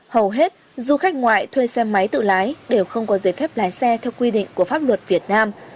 hầu hết du khách ngoại thuê xe máy tự lái đều không có giấy phép lái xe theo quy định của pháp luật việt nam